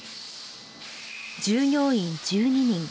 従業員１２人。